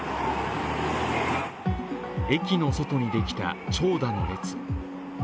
駅の外にできた長蛇の列。